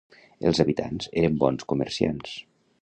Els habitants eren bons comerciants.